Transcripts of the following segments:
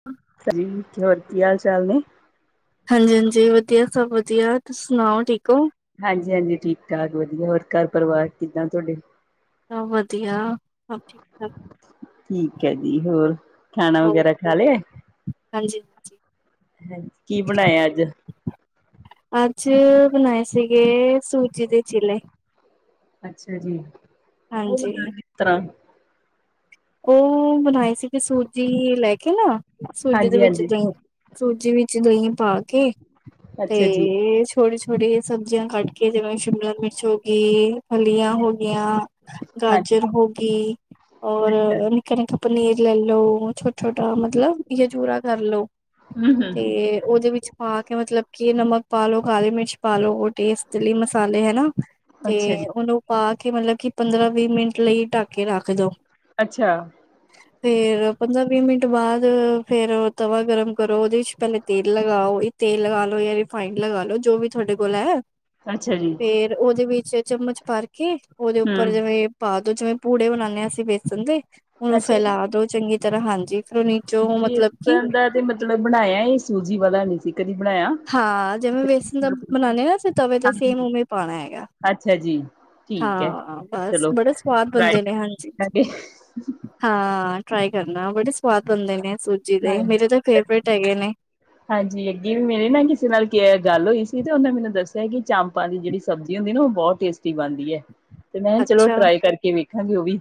ਹਮ। ਹਾਂ ਹੋਰ ਕੀ ਹਾਲ ਚਾਲ ਨੇ? ਹਾਂਜੀ ਹਾਂਜੀ, ਵਧੀਆ ਸਭ ਵਧੀਆ ਤੁਸੀਂ ਸੁਣਾਓ ਠੀਕ ਹੋ? ਹਾਂਜੀ ਹਾਂਜੀ, ਠੀਕ ਠਾਕ ਵਧੀਆ ਹੋਰ ਘਰ ਪਰਿਵਾਰ ਕਿੱਦਾਂ ਤੁਹਾਡੇ? ਸਭ ਵਧੀਆ, ਸਭ ਠੀਕ। ਠਾਕ ਠੀਕ ਹੈ ਜੀ, ਹੋਰ ਖਾਣਾ ਹੋਰ ਵਗੈਰਾ ਖਾ ਲਿਆ ਹਾਂਜੀ-ਹਾਂਜੀ ਹਾਂਜੀ, ਕਿ ਬਣਾਇਆ ਅੱਜ ਅੱਜ ਬਣਾਏ ਸੀਗੇ ਸੂਜੀ ਦੇ ਚੀਲੇ ਅੱਛਾ ਜੀ ਉਹ ਹਾਂਜੀ। ਕਿਸ ਤਰ੍ਹਾਂ [inaudible] ਉਹ ਬਣਾਏ ਸੀਗੇ, ਸੂਜੀ ਲੈ ਕੇ ਨਾ ਸੂਜੀ ਦੇ ਹਾਂਜੀ ਵਿੱਚ ਹਾਂਜੀ ਦਹੀਂ, ਸੂਜੀ ਵਿੱਚ ਦਹੀਂ ਪਾਕੇ ਤੇ ਅੱਛਾ ਜੀ ਤੇ ਛੋਟੀ -ਛੋਟੀ ਸਬਜ਼ੀਆਂ ਕੱਟ ਕੇ ਜਿਵੇਂ ਸ਼ਿਮਲਾ ਮਿਰਚ ਹੋ ਗਈ। ਫਲਿਆਂ ਹੋਗਿਆਂ ਗਾਜਰ ਹਾਂਜੀ ਹੋ ਗਈ ਔਰ ਅੱਛਾ ਨਿੱਕਾ ਨਿੱਕਾ ਪਨੀਰ, ਲੈ ਲੋ, ਛੋਟਾ ਛੋਟਾ ਮਤਲਬ ਚੂਰਾ ਕਰ ਲੌ ਹਮ ਹਮ ਤੇ ਉਹਦੇ ਵਿੱਚ ਪਾ ਕੇ ਮਤਲਬ ਕਿ ਨਮਕ ਪਾ ਲੋ ਕਾਲੀ ਮਿਰਚ ਪਾਲੋ ਉਹ ਟੇਸਟ ਚਲੀ ਮਸਾਲੇ ਹੈਨਾ ਤੇ ਅੱਛਾ ਜੀ ਉਹਨੂੰ ਪਾ ਕੇ ਮਤਲਬ ਕਿ ਪੰਦਰਾਂ ਵੀਹ ਮਿੰਟ ਲਈ ਢੱਕ ਕੇ ਰੱਖ ਦਓ। ਅੱਛਾ। ਫੇਰ ਪੰਦਰਾਂ ਵੀਹ ਮਿੰਟ ਬਾਅਦ ਫੇਰ ਤਵਾ ਗਰਮ ਕਰੋ। ਉਹਦੇ ਵਿੱਚ ਪਹਿਲੇ ਤੇਲ ਲਗਾਓ। ਤੇਲ ਲਗਾ ਲਓ ਯਾ ਰਿਫਾਈੰਡ ਲਗਾ ਲੋ, ਜੋ ਵੀ ਤੁਹਾਡੇ ਕੋਲ ਹੈ। ਅੱਛਾ ਜੀ। ਫੇਰ ਉਹਦੇ ਵਿੱਚ ਚਮਚ ਭਰ ਕੇ ਉਹਦੇ ਉੱਪਰ ਹਮ ਜਿਵੇਂ ਪਾ ਦੋ, ਜਿਵੇਂ ਪੂੜੇ ਬਣਾਉਾਨਦੇ ਹਾਂ ਅਸੀਂ ਦਦੇ ਹੁਣ ਉਹਨੂ ਅੱਛਾ ਫੈਲਾ ਦੋ ਚੰਗੀ ਤਰ੍ਹਾਂ ਹਾਂਜੀ ਫਿਰ ਉਹ ਨੀ ਚੋਂ ਮਤਲਬ ਕਿ ਬੇਸਣ ਦਾ ਤੇ ਮਤਲਬ ਬਣਾਇਆ ਇਹ ਸੂਜੀ ਵਾਲਾ ਨੀ ਸੀ ਕਦੀ, ਬਣਾਇਆ ਹਾਂ, ਜਿਵੇਂ ਵੇਸਣ ਦਾ ਬਣਾਉਦੇ ਨਾ ਅਸੀਂ ਤਵੇ ਦਾ ਸੇਮ ਉਵੇਂ ਪਾਉਣਾ ਹੈਗਾ। ਅੱਛਾ ਜੀ ਠੀਕ ਹੈ ਹਾਂ, ਬਸ ਚਲੋ ਬੜੇ ਸਵਾਦ ਹੁੰਦੇ ਟਰਾਈ ਨੇ। ਹਾਂਜੀ। ਕਰਾਂਗੇ ਹਾਂ, ਟਰਾਈ ਕਰਨਾ ਬੜੇ ਸਵਾਦ ਬਣਦੇ ਨੇ, ਸੂਜੀ ਦੇ ਹਾਂਜੀ। ਮੇਰੇ ਤਾਂ ਫੇਵਰੇਟ ਹੈਗੇ ਨੇ ਹਾਂਜੀ, ਅੱਗੇ ਵੀ ਮੇਰੀ ਨਾ ਕਿਸੇ ਨਾਲ ਗੱਲ ਹੋਈ ਸੀ। ਤੇ ਉਨਾ ਮੈਨੂੰ ਦੱਸਿਆ ਕਿ ਚੰਪਾ ਆਪਾਂ ਦੀ ਜਿਹੜੀ ਸਬਜ਼ੀ ਹੁੰਦੀ ਹੈ। ਨਾ ਉਹ ਬਹੁਤ ਟੇਸਟੀ ਬਣਦੀ ਹੈ। [unintelligible] ਤੇ ਮੈਂ ਕਿਹਾ ਚਲੋ ਟਰਾਈ ਕਰਕੇ ਵੇਖਾਂਗੇ ਉਹ ਵੀ।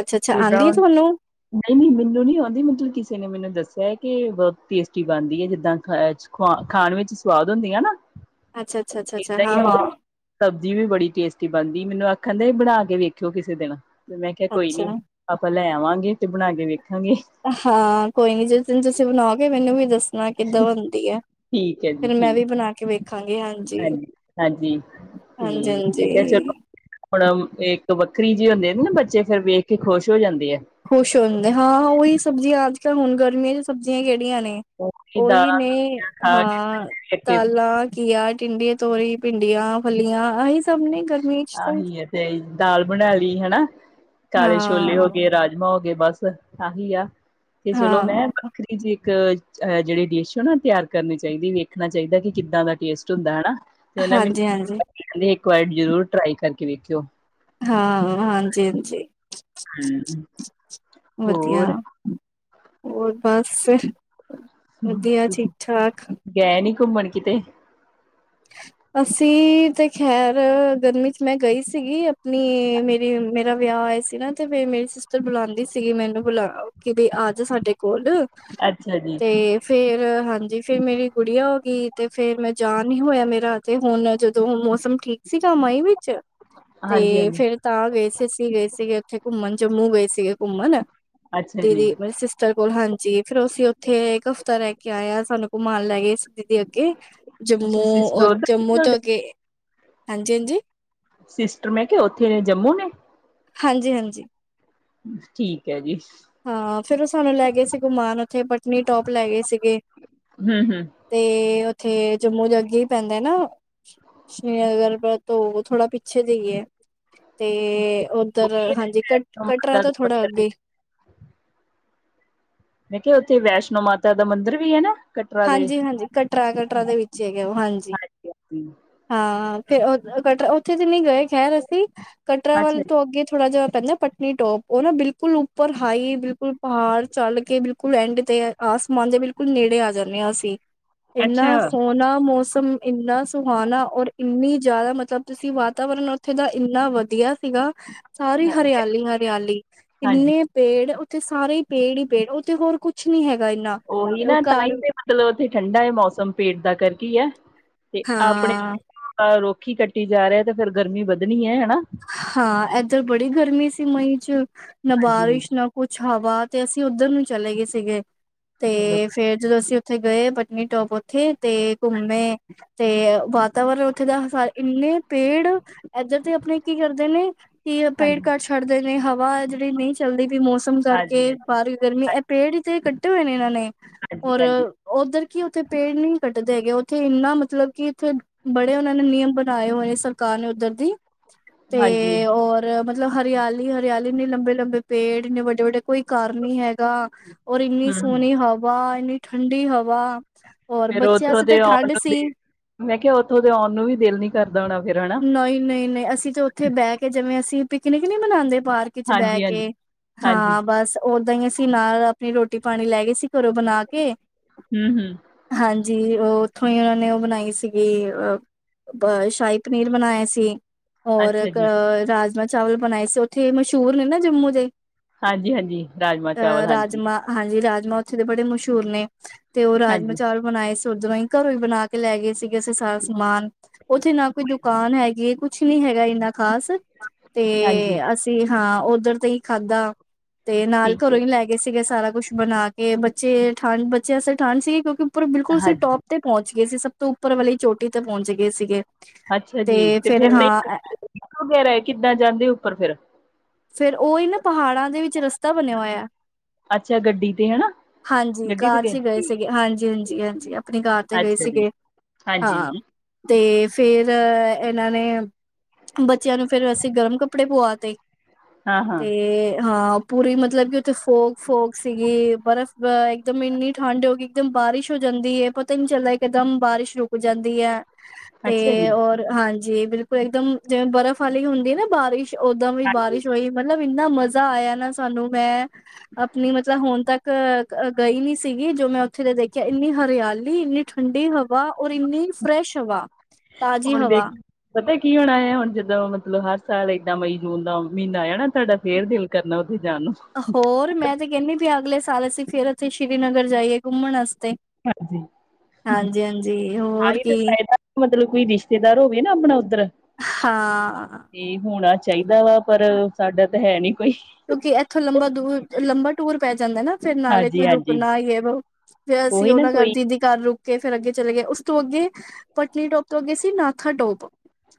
ਅੱਛਾ ਅੱਛਾ ਆਂਦੀ ਹੈ ਜਿੱਦਾਂ ਤੁਹਾਨੂੰ ਨਹੀਂ ਨਹੀਂ ਮੈਨੂੰ ਨੀ ਆਉਂਦੀ ਮਤਲਬ ਕਿਸੇ ਨੇ ਮੈਨੂੰ ਦੱਸਿਆ ਕਿ ਬਹੁਤ ਟੇਸਟੀ ਬਣਦੀ ਹੈ ਜਿੱਦਾਂ ਖਆ ਖਵਾਨ! ਖਾਣ ਵਿੱਚ ਸਵਾਦ ਹੁੰਦੀ ਆ ਨਾ? ਅੱਛਾ ਅੱਛਾ ਅੱਛਾ, ਏਦਾਂ ਹਾ ਹੀ ਹਾ ਹੈ। ਹਾ ਸਬਜ਼ੀ ਵੀ ਬੜੀ ਟੇਸਟੀ ਬਣਦੀ ਮੈਨੂੰ ਆਖਣ ਦੇ ਬਣਾ ਕੇ ਵੇਖਿਓ ਕਿਸੇ ਦਿਨ ਤੇ, ਮੈਂ ਕਿਹਾ ਕੋਈ ਨੀ ਅੱਛਾ ਆਪਾਂ ਲੈ ਆਵਾਂਗੇ ਤੇ ਬਣਾ ਕੇ ਵੇਖਾਂਗੇ। ਹਾਂ, ਕੋਈ ਨੀ ਜਿਸ ਦਿਨ ਤੁਸੀਂ ਬਣਾਓਗੇ। ਮੈਨੂੰ ਵੀ ਦੱਸੋ ਣਾ ਕਿੱਦਾਂ ਬਨਦੀ ਹੈ। ਠੀਕ ਹੈ ਜੀ ਫੇਰ ਮੈਂ ਠੀਕ ਵੀ ਬਣਾ ਕੇ ਵੇਖਾਂਗੀ ਹਾਂਜੀ ਹਾਂਜੀ ਹਾਂਜੀ, ਤੇ ਮੈਂ ਕਿਹਾ ਹਾਂਜੀ-ਹਾਂਜੀ। ਚਲੋ ਹੁਣ, ਇੱਕ ਵੱਖਰੀ ਜਿ ਹੁੰਦੇ ਆ ਨਾ ਬੱਚੇ ਫੇਰ ਵੇਖ ਕੇ ਖੁਸ਼ ਹੋ ਜਾਂਦੇਆ। ਖੁਸ਼ ਹੁੰਦੇ ਹਾਂ ਹਾਂ ਉਹੀ ਸਬਜ਼ੀਆਂ ਅੱਜ ਕੱਲ੍ਹ ਹੁਣ ਗਰਮਿਆਂ ਸਬਜ਼ੀਆਂ ਐਡਿਆ ਨੇ ਉਹੀ ਦਾਲਾਂ ਨੇ ਸਬਜ਼ੀਆਂ ਖਾ ਕੇ ਹਾਂ ਬੱਚੇ ਵੇਖ ਕੇ ਦਾਲਾਂ ਘੀਆ, ਟਿਂਡਾ, ਤੋਰੀ, ਭਿੰਡੀਆਂ, ਫਲਿਆਂ, ਆਹੀ ਸਭ ਨੇ ਗਰਮੀਆਂ ਚ ਆਹੀ ਹੈ ਤੇ ਦਾਲ ਬਣਾ ਲਈ ਹੈਨਾ ਕਾਲੇ ਛੋਲੇ ਹੋ ਹਾਂ, ਗਏ ਰਾਜਮਾਂ, ਹੋ ਗਏ ਬਸ ਆਹੀ ਆ ਤੇ ਚਲੋ ਹਾਂ, ਮੈਂ? ਇੱਕ ਜਿਹ ਡਿਸ਼ ਹੈ, ਨਾ ਤਿਆਰ ਕਰਨੀ ਚਾਹੀਦੀ ਵੇਖਣਾ ਚਾਹੀਦਾ ਕਿ ਕਿੱਦਾਂ ਦਾ ਟੇਸਟ ਹੁੰਦਾ ਹੈਾ ਦੋਨਾਂ ਵਿਚ ਹਾਂਜੀ, ਹਾਂਜੀ। ਜੈ ਇਕ ਵਰੀ ਜਰੂਰ ਟਰਾਈ ਕਰਕੇ ਵੇਖਿਓ ਹਾਂ ਹਾਂਜੀ ਹਾਂਜੀ ਹਮ ਵਧੀਆ ਹੋਰ ਹੋਰ, ਬਸ ਫੇਰ। ਤੁਸੀਂ ਗਏ ਨੀ ਘੁੰਮਣ ਕਿਤੇ? ਹ [inaudible] ਅਸੀਂ ਤੇ ਖੈਰ ਗਰਮੀ 'ਚ ਮੈਂ ਗਈ ਸੀਗੀ ਆਪਣੀ ਮੇਰੀ ਮੇਰਾ ਵਿਆਹ ਹੈਯਾ ਸੀ ਨਾ ਤੇ ਫਰ, ਮੇਰੀ ਸਿਸਟਰ ਬੁਲਾਉਂਦੀ ਸੀਗੀ ਮੈਨੂੰ ਬੁਲਾ ਕੇ ਬਈ ਆ ਜਾ ਸਾਡੇ ਕੋਲ? ਅੱਛਾ ਜੀ ਤੇ ਫੇਰ ਹਾਂਜੀ ਫੇਰ, ਮੇਰੀ ਗੁੜੀਆ ਹੋ ਗਈ ਤੇ ਫੇਰ ਮੈਂ ਜਾਣ ਨਹੀ ਹੋਏਆ ਮੇਰਾ ਹਜੇ ਹੋਣੈ, ਜਦੋਂ ਹੂਨ ਮੌਸਮ ਠੀਕ ਸੀਗਾ ਮਈ ਵਿਚ, ਹਾਂਜੀ ਤੇ ਹਾਂਜੀ ਫੇਰ ਤਾਂ ਗਏ ਸੀ ਅਸੀ ਗਏ ਸੀਗੇ ਉਥੇ ਘੁੰਮਣ ਜੰਮੂ ਗਏ ਸੀਗੇ ਘੁੰਮਣ, ਅੱਛਾ ਜੀ ਦੀਦੀ ਮੇਰੀ ਸਿਸ ਟਰ ਕੋਲ ਹਾਂਜੀ, ਫਿਰ ਅਸੀ ਉਥੇ ਏਕ ਹਫ਼ਤਾ ਰੈ ਕੇ ਆਏ ਆਂ, ਸਾਨੂੰ ਘੂਮਾਨ ਲੈਗੇ ਸੀ ਦੀਦੀ ਅੱਗੇ ਜੰਮੂ, ਅੱਛਾ ਸਿਸਟਰ ਓ ਉਧਰ ਜੰਮੂ ਤੁਹਾਡੇ ਤੋਂ ਅਗੇ ਹਾਂਜੀ, ਹਾਂਜੀ। ਸਿਸਟਰ ਮੈਂ ਕੇਆ ਓਥੇ, ਜੰਮੂ ਨੇ? ਹਾਂਜੀ, ਹਾਂਜੀ। ਠੀਕ ਹੈ ਜੀ। ਹਾਂ, ਫੇਰ ਓ ਸਾਨੂੰ ਲੈਗੇ ਸੀ ਘੂਮਾੰਨ ਉਥੇ ਪਟਨੀ ਟੋਪ ਲੈਗੇ ਸੀਗੇ। ਹੂੰ ਹੂੰ ਤੇ ਉਥੇ ਜੰਮੂ ਦੇ ਅੱਗੇ ਹੀ ਪੈਂਦਾ ਨਾ। ਸ਼੍ਰੀਨਗਰ ਪਰ ਥੋੜਾ ਪਿੱਛੇ ਦਈ ਏ। ਤੇ ਉਧਰ ਹਾਂਜੀ ਕਟ ਵੈਸ਼ਨੋ ਕਟਰਾ ਮਾਤਾ ਦਾ ਤੋਂ ਥੋੜਾ ਮੰਦਿਰ ਅੱਗੇ ਮੈਂ ਕਿਹਾ ਉਥੇ ਵੈਸ਼ਨੋ ਮਾਤਾ ਦਾ ਮੰਦਿਰ ਵੀ ਹੈਨਾ। ਹਾਂਜੀ-ਹਾਂਜੀ ਕਟਰਾ-ਕਟਰਾ ਦੇ ਵਿੱਚ ਹੈਗੇ ਉਹ ਹਾਂਜੀ ਹਾਂ ਫੇਰ ਉਧਰ ਕਟਰਾ ਉਥੇ ਤੇ ਨਹੀਂ ਗਏ ਖੈਰ ਅਸੀਂ ਕਟਰਾ ਅੱਛਾ ਵੱਲ ਜੀ ਤੋਂ ਅੱਗੇ ਥੋੜ੍ਹਾ ਜਿਹਾ ਪੈਂਦਾ ਪਟ ਨੀ ਟੋਪ ਉਹ ਨਾ ਬਿਲਕੁਲ ਉਪਰ ਹਾਈ ਬਿਲਕੁਲ ਪਹਾੜ ਚੱਲ ਕੇ ਬਿਲਕੁਲ ਐਂਡ ਤੇ ਹੈ। ਆਸਮਾਨ ਦੇ ਬਿਲਕੁਲ ਨੇੜੇ ਆ ਜਾਂਦੇ ਹਾਂ ਅਸੀਂ ਅੱਛਾ ਇੰਨਾ ਸੋਹਣਾ ਮੌਸਮ ਇੰਨਾ ਸੁਹਾਨਾ ਔਰ ਇੰਨੀ ਜ਼ਿਆਦਾ ਮਤਲਬ ਤੁਸੀਂ ਵਾਤਾਵਰਨ ਉਥੇ ਦਾ ਇੰਨਾ ਵਧੀਆ ਸੀਗਾ। ਸਾਰੀ ਹਾਂ- ਹਰਿਆਲੀ- ਹਰਿਆਲੀ ਹਾਂਜੀ ਇੰਨੇ ਪੇੜ ਉਥੇ ਸਾਰੇ ਹੀ ਪੇੜ ਹੀ ਪੇੜ ਉੱਥੇ ਹੋਰ ਕੁਛ ਕੁਛ ਨਹੀਂ ਹੈਗਾ ਇੰਨਾ ਉਹੀ ਉਹ ਨਾ ਤਾਂ ਘਰ ਹੀ ਤੇ ਮਤਲਬ ਓਥੇ ਠੰਡਾ ਏ ਮੌਸਮ ਪੇਟ ਦਾ ਕਾਰਕੇ ਏ ਤੇ ਹਾਂ ਆਪਣੇ ਰੁਖ ਈ ਕੱਟੀ ਜਾ ਰਹੇ ਤੇ ਫੇਰ ਗਰਮੀ ਵੱਧਣੀ ਏ ਹਨਾ। ਹਾਂ ਏਧਰ ਬੜੀ ਗਰਮੀ ਸੀ ਮਈ 'ਚ ਨਾ ਹਾਂਜੀ ਬਾਰਿਸ਼ ਹਾਂਜੀ ਨਾ ਕੁਛ ਹਵਾ ਤੇ ਅਸੀ ਉਧਰ ਨੂੰ ਚਲੇ ਗਏ ਸੀਗੇ ਤੇ ਚਲੋ ਫੇਰ ਜਦੋ ਅਸੀ ਉਥੇ ਗਏ ਪਟਨੀਟੋਪ ਓਥੇ ਤੇ ਘੁੰਮੇ ਤੇ ਵਾਤਾਵਰਨ ਉਥੇ ਦਾ ਸਾ ਇੰਨੇ ਪੇੜ ਐਧਰ ਤੇ ਅਪਣੇ ਕੀ ਕਰਦੇ ਨੇ ਕਿ ਪੇੜ ਹਾਂਜੀ ਕੱਟ ਛੱਡਦੇ ਨੇ ਹਵਾ ਜਿਹੜੀ ਨਹੀਂ ਚੱਲਦੀ ਪੀ ਮੌਸਮ ਖਤਮ ਹਾਂਜੀ ਕਾਰਕੇ ਬਾਰ ਗਰਮੀ ਏਹ ਹਾਂਜੀ ਪੇੜ ਈ ਤੇ ਕੱਟੇ ਹੋਏ ਨੇ ਏਨਾਂ ਨੇ ਹਾਂਜੀ ਔਰ ਹਾਂਜੀ ਓਧਰ ਕੀ ਉਥੇ ਪੇੜ ਨਹੀ ਕੱਟਦੇ ਹੈਗੇ ਉਥੇ ਇੰਨਾ ਮਤਲਬ ਕਿ ਉਥੇ ਬੜੇ ਓਨਾਂ ਨੇ ਨਿਯਮ ਬਨਾਏ ਹੋਏ ਸਰਕਾਰ ਨੇ ਓਧਰ ਦੀ ਹਾਂਜੀ ਤੇ ਔਰ ਮਤਲਬ ਹਰਿਆਲੀ-ਹਰਿਆਲੀ ਇਨੇ ਲੰਬੇ-ਲੰਬੇ ਪੇੜ ਇਨੇ ਵੱਡੇ-ਵੱਡੇ ਕੋਈ ਘਾਰ ਨਹੀਂ ਹੈਗਾ ਔਰ ਏਨੀ ਹੂੰ ਹੂੰ ਸੋਨੀ ਹਵਾ ਏਨੀ ਠੰਡੀ ਹਵਾ ਹੋਰ ਫੇਰ ਬੱਚਿਆਂ ਉੱਥੋਂ ਅਸਤੇ ਦੇ ਆਉਣ ਠੰਡ ਨੂੰ ਸੀ। ਦੇ ਮੈਂ ਕਿਹਾ ਓਥੋਂ ਤੇ ਔਣ ਨੂੰ ਵੀ ਦਿਲ ਨੀ ਕਰਦਾ ਹੋਣਾ ਫੇਰ ਹਨਾ। ਨਹੀ-ਨਹੀ-ਨਹੀ ਅਸੀ ਤੀ ਜੇ ਓਥੇ ਬੈਹ ਕੇ ਜਿਵੇਂ ਅਸੀ ਪਿਕਨਿਕ ਨੀ ਮਨਾਂਦੇ ਪਾਰਕ 'ਚ ਬੈਹ ਹਾਂਜੀ, ਹਾਂਜੀ, ਕੇ ਹਾਂਜੀ, ਹਾਂ ਬਸ ਓਦਾਂ ਈ ਅਸੀ ਨਾਲ ਅਪਨੀ ਰੋਟੀ ਪਾਣੀ ਲੈ ਗਏ ਸੀ ਘਰੋਂ ਬਨਾ ਕੇ ਹੂੰ- ਹੂੰ ਹਾਂਜੀ ਓ ਓਥੋਂ ਈ ਓਨਾਂ ਨੇ ਓ ਬਨਾਈ ਸੀਗੀ ਅ ਬ ਸ਼ਾਹੀ ਪਨੀਰ ਬਨਾਇਆ ਸੀ। ਹੋਰ ਅੱਛਾ ਇਕ ਜੀ। ਰਾਜ਼ਮਾਂ ਚਾਵਲ ਬਨਾਏ ਸੀ ਓਥੇ ਮਸ਼ਹੂਰ ਨੇ ਨਾ ਜੰਮੂ ਦੇ ਹਾਂਜੀ- ਹਾਂਜੀ ਰਾਜਮਾਂ ਚਾਵਲ ਅਹ ਹਾਂਜੀ। ਰਾਜਮਾਂ ਹਾਂਜੀ ਰਾਜਮਾ ਓਥੇ ਦੇ ਬੜੇ ਮਸ਼ਹੂਰ ਨੇ ਤੇ ਓ ਰਾਜਮਾ ਹਾਂਜੀ, ਚਾਵਲ ਬਣਾਏ ਸੀ ਉਦਰੋਂ ਈ ਘਰੋਂ ਈ ਬਨਾ ਕੇ ਲੈਗੇ ਸੀਗੇ ਅਸੀ ਸਾਰਾ ਸਮਾਨ ਓਥੇ ਨਾ ਕੋਈ ਦੁਕਾਨ ਹੈਗੀ ਕੁਛ ਨਹੀਂ ਹੈਗਾ ਇੰਨਾ ਖ਼ਾਸ ਤੇ ਹਾਂਜੀ ਅਸੀ ਹਾਂ ਓਧਰ ਦਾ ਹੀ ਖਾਦਾ। ਤੇ ਨਾਲ ਠੀਕ ਘਰੋਂ ਹੈ ਹੀ ਜੀ। ਲੈ ਗੇ ਸੀਗੇ ਸਾਰਾ ਕੁਛ ਬਨਾ ਕੇ ਬੱਚੇ ਠੰਡ ਬੱਚਿਆਂ ਅਸਤੇ ਠੰਡ ਸੀਗੀ ਕਿਉਂਕਿ ਉਪਰ ਬਿਲਕੁਲ ਸੀ ਟੋਪ ਹਾਂਜੀ, ਤੇ ਪੁਹੰਚ ਗਏ ਸੀ ਸਬ ਤੋਂ ਉਪਰ ਵਾਲੀ ਚੋਟੀ ਤੇ ਪੁਹੰਚ ਗਏ ਸੀਗੇ ਤੇ ਫਿਰ ਹਾਂ। ਇਕੋ ਗੈ [unintelligible] ਰਹੇ ਕਿੱਦਾਂ ਜਾਂਦੇ ਉਪਰ ਫਿਰ ਫਿਰ ਉਹ ਇਹ ਨਾ ਪਹਾੜਾਂ ਦੇ ਵਿੱਚ ਰਸਤਾ ਬਣਿਆ ਹੋਇਆ। ਅੱਛਾ ਗੱਡੀ ਤੇ ਹਨਾ। ਹਾਂਜੀ ਗੱਡੀ ਤੇ ਕਾਰ 'ਚ ਗਏ ਸੀਗੇ ਹਾਂਜੀ-ਹਾਂਜੀ-ਹਾਂਜੀ ਆਪਣੀ ਕਾਰ ਤੇ ਗਏ ਅੱਛਾ ਜੀ। ਸੀਗੇ। ਹਾਂਜੀ ਹਾਂ, ਤੇ ਫਿਰ ਇਹਨਾਂ ਨੇ ਬੱਚਿਆਂ ਨੂੰ ਫਿਰ ਵੈਸੇ ਗਰਮ ਕੱਪੜੇ ਪੁਆ ਤੇ ਹਾਂ, ਹਾਂ ਤੇ ਹਾਂ। ਪੂਰੀ ਮਤਲਬ ਕਿ ਉਥੇ ਫੋਕ-ਫੋਕ ਸੀਗੀ ਬਰਫ਼ ਇੱਕਦਮ ਇੰਨੀ ਠੰਡ ਹੋ ਗਈ ਇੱਕਦਮ ਬਾਰਿਸ਼ ਹੋ ਜਾਂਦੀ ਹੈ। ਪਤਾ ਹੀ ਨਹੀਂ ਚੱਲਦਾ ਇੱਕ ਇਕਦਮ ਬਾਰਿਸ਼ ਰੁਕ ਜਾਂਦੀ ਹੈ। ਤੇ ਅੱਛਾ ਜੀ, ਰ ਹਾਂਜੀ ਬਿਲਕੁਲ ਇੱਕਦਮ ਜਿਵੇਂ ਬਰਫ਼ ਵਾਲੀ ਹੁੰਦੀ ਨਾ ਬਾਰਿਸ਼, ਓਦਾਂ ਵੀ ਹਾਂਜੀ। ਬਾਰਿਸ਼ ਤੇ ਓਈ ਮਤਲਬ ਇੰਨਾ ਮਜ਼ਾ ਆਇਆ ਨਾ, ਸਾਨੂੰ ਮੈਂ ਅਪਨੀ ਮਤਲਬ ਹੁਣ ਤੱਕ ਗਈ ਨੀ ਸੀਗੀ, ਜੋ ਮੈਂ ਉਥੇ ਦੇ ਦੇਖਿਆ, ਇੰਨੀ ਹਰਿਆਲੀ ਇੰਨੀ ਠੰਡੀ ਹਵਾ ਔਰ ਇੰਨੀ ਫਰੈਸ਼ ਹਵਾ, ਤਾਜੀ ਹੁਣ ਦੇਖ ਹਵਾ। ਪਤਾ ਕੀ ਹੋਣਾ ਐ ਹੁਣ, ਜਦੋਂ ਮਤਲਬ ਹਾਰ ਸਾਲ ਏਦਾਂ ਮਈ ਜੂਨ ਦਾ ਮਹੀਨਾ ਆ ਜਾਣਾ, ਤੁਆਡਾ ਫੇਰ ਦਿਲ ਕਰਨਾ ਉਥੇ ਜਾਣ ਨੂੰ। ਹੋਰ ਮੈਂ ਤੇ ਕਹਿੰਨੀ ਪਈਆਂ, ਅਗਲੇ ਸਾਲ ਅਸੀ ਫੇਰ ਓਥੇ ਸ਼੍ਰੀਨਗਰ ਜਾਈਏ ਘੁੰਮਣ ਵਾਸਤੇ। ਹਾਂਜੀ। ਹਾਂਜੀ, ਹਾਂਜੀ ਹੋਰ ਆਹੀ ਤੇ ਕੀ। ਫਾਇਦਾ ਮਤਲਬ ਕੋਈ ਰਿਸ਼ਤੇਦਾਰ ਹੋਵੇ ਨਾ ਅਪਣਾ ਉਧੱਰ ਹਾਂ। ਜੀ ਹੋਣਾ ਚਾਹੀਦਾ ਵਾ, ਪਰ ਸਾਡਾ ਤਾਂ ਹੈ ਨੀ ਕੋਈ। ਕਿ ਏਥੋਂ ਲੰਬਾ ਦੂਰ, ਲੰਬਾ ਟੂਰ ਪੈ ਜਾਂਦਾ ਨਾ ਫੇਰ ਨਾਲੇ ਕੋਈ ਹਾਂਜੀ-ਹਾਂਜੀ ਰੁਕਣਾ ਹੈ ਵਾ, ਫੇਰ ਅਸੀਂ ਉਹੀ ਨਾ ਉਹਨਾਂ ਘਰ ਕੋਈ ਦੀਦੀ ਘਰ ਰੁਕ ਕੇ ਫਿਰ ਅੱਗੇ ਚਲੇ ਗਏ, ਉਸ ਤੋਂ ਅੱਗੇ, ਪਨੀ ਟੋਪ ਤੋਂ ਅੱਗੇ ਸੀ ਨਾਥਾ ਟੋਪ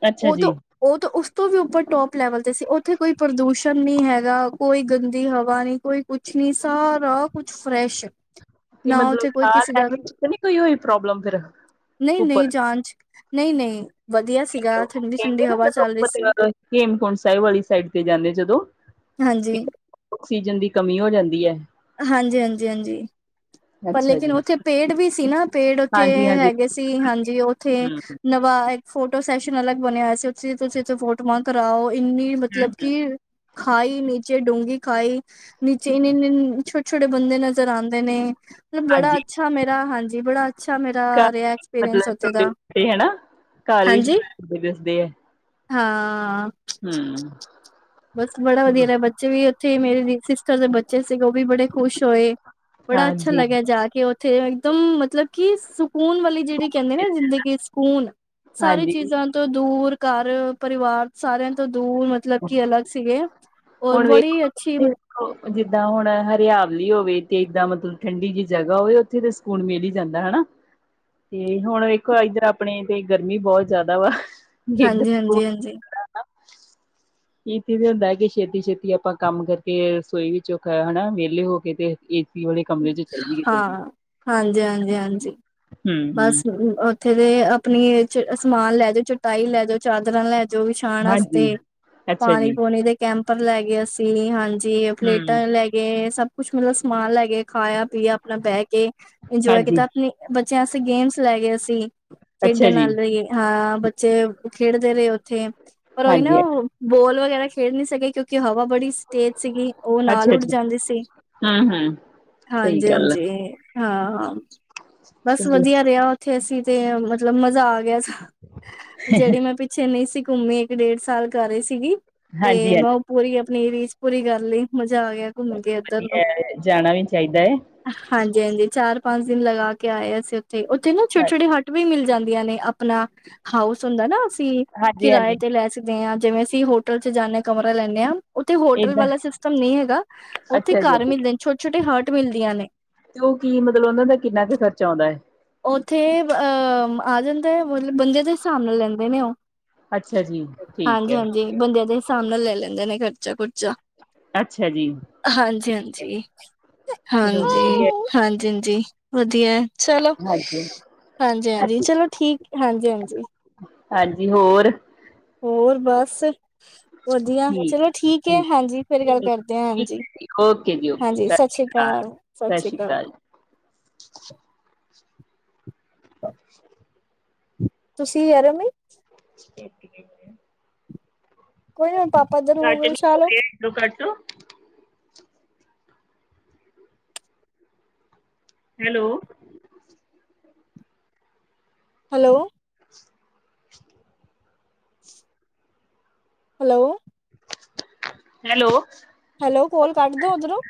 ਅੱਛਾ ਉਹ ਤੋਂ ਜੀ। ਉਹ ਤਾਂ ਉਸ ਤੋਂ ਵੀ ਉੱਪਰ ਟੋਪ ਲੈਵਲ ਤੇ ਸੀ, ਉੱਥੇ ਕੋਈ ਪ੍ਰਦੂਸ਼ਣ ਨਹੀਂ ਹੈਗਾ। ਕੋਈ ਗੰਦੀ ਹਵਾ ਨੀ, ਕੋਈ ਕੁਛ ਨੀ, ਸਾਰਾ ਕੁਛ ਫਰੈਸ਼ ਤੇ ਨਾ ਮਤਲਬ ਉੱਥੇ ਕੋਈ ਸਾਹ ਕਿਸੇ ਦਾ, ਲੈਣ ਵਿੱਚ ਤਾਂ ਨੀ ਕੋਈ ਹੋਈ ਪ੍ਰੋਬਲਮ ਫਿਰ ਨਹੀਂ- ਨਹੀਂ ਉੱਪਰ ਜਾਂਚ। ਨਹੀਂ -ਨਹੀਂ ਵਧੀਆ ਸੀਗਾ, ਠੰਡੀ- ਠੰਡੀ ਕਹਿੰਦੇ ਨਾ ਹਵਾ ਜਦੋਂ ਚੱਲ ਰਹੀ ਸੀ। ਮਤਲਬ ਹੇਮਕੁੰਟ ਸਾਹਿਬ ਵਾਲੀ ਸਾਈਡ ਤੇ ਜਾਂਦੇ ਜਦੋਂ। ਹਾਂਜੀ। ਆਕਸੀਜਨ ਦੀ ਕਮੀ ਹੋ ਜਾਂਦੀ ਹੈ। ਹਾਂਜੀ- ਹਾਂਜੀ -ਹਾਂਜੀ। ਪਰ ਅੱਛਾ ਲੇਕਿਨ ਜੀ ਉੱਥੇ ਪੇੜ ਵੀ ਸੀ ਨਾ, ਪੇੜ ਉੱਥੇ ਹਾਂਜੀ-ਹਾਂਜੀ ਹੈਗੇ ਸੀ ਹਾਂਜੀ ਉੱਥੇ। ਹੂੰ। ਨਵਾ ਇੱਕ ਫੋਟੋ ਸੈਸ਼ਨ ਅਲਗ ਬਣਿਆ ਹੋਇਆ ਸੀ ਉਥੇ ਤੁਸੀਂ ਇਥੇ ਫੋਟੋਆਂ ਕਰਾਓ ਇੰਨੀ ਮਤਲਬ ਕੀ, ਖਾਈ ਨੀਚੇ ਡੂੰਘੀ ਖਾਈ ਨੀਚੇ ਇੰਨੇ-ਇੰਨੇ ਛੋ ਛੋਟੇ ਬੰਦੇ ਨਜ਼ਰ ਆਉਂਦੇ ਨੇ। ਮਤਲਬ ਬੜਾ ਹਾਂਜੀ ਅੱਛਾ ਮੇਰਾ ਹਾਂਜੀ ਬੜਾ ਅੱਛਾ ਘਰ ਮੇਰਾ ਰਿਹਾ ਐਕਸਪੀਰੀਅੰਸ ਮਤਲਬ ਉੱਥੇ ਦਾ। ਛੋਟੇ-ਛੋਟੇ ਹਨਾ। ਘਰ ਵਿਚ ਹਾਂਜੀ ਦਿਸਦੇ ਹੈ। ਹਾਂ। ਹਮ। ਬਸ ਬੜਾ ਵਧੀਆ ਲ ਬੱਚੇ ਵੀ ਉੱਥੇ ਮੇਰੇ ਸਿਸਟਰ ਦੇ ਬੱਚੇ ਸੀਗੇ ਉਹ ਵੀ ਬੜੇ ਖੁਸ਼ ਹੋਏ। ਬੜਾ ਅੱਛਾ ਹਾਂਜੀ, ਲੱਗਿਆ ਜਾ ਕੇੇ। ਥੇ ਇੱਕਦਮ ਮਤਲਬ ਕਿ ਸਕੂਨ ਵਾਲੀ ਜਿਹੜੀ ਕਹਿੰਦੇ ਨਾ ਜ਼ਿੰਦਗੀ ਕਿ ਸਕੂਨ ਸਾਰੀ ਹਾਂਜੀ ਚੀਜ਼ਾਂ ਤੋਂ ਦੂਰ, ਘਰ ਪਰਿਵਾਰ ਸਾਰਿਆਂ ਤੋਂ ਦੂਰ ਮਤਲਬ ਕੀ ਅਲੱਗ ਸੀਗੇ, ਔਰ ਹੁਣ ਵੇਖੋ ਬੜੀ ਅੱਛੀਤ ਜਿੱਦਾਂ ਹੁਣ ਹਰਿਆਵਲੀ ਹੋਵੇ ਤੇ ਇੱਦਾਂ ਮਤਲਬ ਠੰਡੀ ਜਿਹੀ ਜਗ੍ਹਾ ਹੋਵੇ। ਉੱਥੇ ਤਾਂ ਸਕੂਨ ਮਿਲ ਹੀ ਜਾਂਦਾ ਹਨਾ। ਤੇ ਹੁਣ ਵੇਖੋ ਇੱਧਰ ਆਪਣੇ ਤੇ ਗਰਮੀ ਬਹੁਤ ਜ਼ਿਆਦਾ ਵਾ। ਹਾਂਜੀ ਇੱਧਰ -ਹਾਂਜੀ -ਹਾਂਜੀ। ਇਥੇ ਤੇ ਹੁੰਦਾ ਕਿ ਛੇਤੀ -ਛੇਤੀ ਆਪਾਂ ਕੰਮ ਕਰਕੇ, ਰਸੋਈ ਵਿੱਚੋਂ ਖਾਇ ਹਨਾ ਵਿਹਲੇ ਹੋ ਕੇ ਤੇ ਏਸੀ ਵਾਲੇ ਕਮਰੇ 'ਚ ਚੱਲ ਜਾਈਏ ਗ ਫਿਰ। ਹਾਂ। ਹਾਂਜੀ, ਹਾਂਜੀ, ਹਾਂਜੀ। ਹੂੰ-ਹੂੰ, ਬਸ ਉੱਥੇ ਤੇ ਆਪਣੀ 'ਚ ਸਮਾਨ ਲੈ ਜਾਓ, ਚਟਾਈ ਲੈ ਜਾਓ, ਚਾਦਰਾਂ ਲੈ। ਜੋ ਵਿਛਾਉਣ ਹਾਂਜੀ। ਵਾਸਤੇ ਅੱਛਾ ਪਾਣੀ, ਜੀ। ਪੂਣੀ ਦੇ ਕੈਂਪਰ ਲੈ ਗਏ ਅਸੀਂ, ਹਾਂਜੀ। ਤੇ ਹੂੰ, ਪਲੇਟਾਂ ਲੈ ਗਏ, ਸਭ ਕੁਛ ਮਤਲਬ ਸਮਾਨ ਲੈ ਗਏ, ਖਾਇਆ, ਪੀਆ, ਆਪਣਾ ਬਹਿ ਕੇ। ਇੰਜੋਏ ਹਾਂਜੀ, ਕੀਤਾ, ਆਪਣੇ, ਬੱਚਿਆਂ ਵਾਸਤੇ ਗੇਮਸ ਲੈ ਗਏ ਅਸੀ, ਅੱਛਾ ਖੇਡਣ ਜੀ, ਵਾਲੇ। ਤੇ ਹਾਂ, ਬੱਚੇ ਖੇਡਦੇ ਰਹੇ ਉੱਥੇ, ਪਰ, ਉਹੀ ਹਾਂਜੀ, ਨਾ ਬਾਲ, ਵਗੈਰਾ ਖੇਡ ਨੀ ਸਕੇ, ਕਿਉਂਕਿ ਹਵਾ ਬੜੀ ਸਟੇਜ ਸੀਗੀ, ਉਹ ਨਾਲ ਅੱਛਾ ਉੱਡ ਜੀ। ਜਾਂਦੀ ਸੀ! ਹੂੰ-ਹੂੰ, ਸਹੀ ਹਾਂਜੀ, ਗੱਲ ਐ, ਹਾਂਜੀ। ਹਾਂ, ਹਾਂ। ਬਸ ਚਲੋ ਵਧੀਆ ਰਿਹਾ। ਉੱਥੇ ਅਸੀਂ ਤੇ ਮਤਲਬ ਮਜ਼ਾ ਆ ਗਿਆ। ਜਿਹੜੀ ਮੈਂ ਪਿੱਛੇ ਨਹੀਂ ਸੀ। ਘੁੰਮੀ ਇੱਕ ਡੇਢ ਸਾਲ ਕਰ ਰਹੀਂ। ਸੀਗੀ ਤੇ ਮੈਂ ਹਾਂਜੀ-ਹਾਂਜੀ ਪੂਰੀ ਆਪਣੀ ਰੀਝ ਪੂਰੀ ਕਰ ਲਈ ਮਜ਼ਾ ਆ ਗਿਆ ਘੁੰਮ ਕੇ। ਜਾਣਾ ਵੀ ਚਾਹੀਦਾ ਹੈ। ਹਾਂਜੀ ਹਾਂਜੀ ਚਾਰ ਪੰਜ ਦਿਨ ਲਗਾ ਕੇ ਆਏ। ਅਸੀਂ ਉੱਥੇ ਉੱਥੇ ਨਾ ਛੋਟੇ ਛੋਟੇ। ਵੀ ਮਿਲ ਜਾਂਦੀਆਂ ਨੇ। ਆਪਣਾ ਹਾਊਸ ਹੁੰਦਾ ਨਾ। ਅਸੀਂ ਕਿਰਾਏ ਹਾਂਜੀ-ਹਾਂਜੀ ਤੇ ਲੈ। ਤੇ ਹਾਂ ਜਿਵੇਂ ਅਸੀਂ ਹੋਟਲ ਚ ਜਾਂਦੇ ਕਮਰਾ ਲੈਂਦੇ ਹਾਂ। ਉੱਥੇ ਹੋਟਲ ਏਦਾਂ ਵਾਲਾ ਸਿਸਟਮ ਨਹੀਂ ਹੈਗਾ। ਉੱਥੇ ਅੱਛਾ ਜੀ। ਘਰ ਮਿਲਦੇ ਛੋਟੇ ਛੋਟੇ ਹਰਟ ਮਿਲਦੀਆਂ ਨੇ। ਤੇ ਉਹ ਕੀ ਮਤਲਬ। ਉਹਨਾ ਦਾ ਕਿੰਨਾ ਕੁ ਖਰਚਾ ਆਉਂਦਾ ਹੈ। ਉੱਥੇ ਅਹ ਆ ਜਾਂਦਾ। ਮਤਲਬ ਬੰਦੇ ਦੇ ਹਿਸਾਬ ਨਾਲ ਲੈਂਦੇ ਨੇ। ਉਹ ਅੱਛਾ ਜੀ ਠੀਕ ਹੈ। ਹਾਂਜੀ-ਹਾਂਜੀ ਬੰਦਿਆਂ ਦੇ ਹਿਸਾਬ ਨਾਲ ਲੈ ਲੈਂਦੇ ਨੇ। ਖਰਚਾ ਖੁਰਚਾ। ਅੱਛਾ, ਜੀ। ਹਾਂਜੀ, ਹਾਂਜੀ। ਚਲੋ ਹਾਂਜੀ। ਵਧੀਆ, ਹਾਂਜੀ, ਹਾਂਜੀ, ਵਧੀਆ ਚਲੋ। ਹਾਂਜੀ। ਹਾਂਜੀ, ਹਾਂਜੀ, ਚਲੋ ਠੀਕ ਹਾਂਜੀ, ਹਾਂਜੀ। ਹਾਂਜੀ, ਹੋਰ। ਹੋਰ, ਬਸ। ਵਧੀਆ ਚਲੋ ਠੀਕ ਹੈ। ਹਾਂਜੀ, ਫੇਰ ਠੀਕ, ਗੱਲ ਠੀਕ ਕਰਦੇ ਹਾਂ। ਹਾਂਜੀ। ਹਾਂਜੀ, ਸਤਿ ਸ਼੍ਰੀ ਅਕਾਲ, ਸਤਿ ਸ਼੍ਰੀ ਅਕਾਲ। । ਤੁਸੀਂ। ਯਾਰ ਮੈਂ। ਸ। ਕੋਈ ਨਾ। ਪਾਪਾ ਦੇ ਰੂਮ 'ਚ ਵਿਛਾ ਲਓ। ਲੋ, ਕੱਟ ਦੋ। Hello. Hello.. Hello. Hello. Hello. Call cut ਦੋ ਉੱਧਰੋਂ।